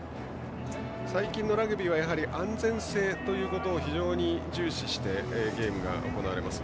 最近のラグビーは安全性を非常に重視してゲームが行われます。